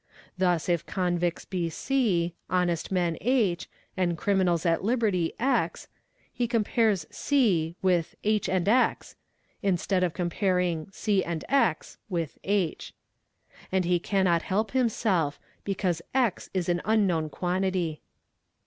Thus if convicts be C, honest men H, and criminals at liberty X, he compares C with H and X, instead of comparing © and X with H. And he cannot help himself, because X is an unknown quantity.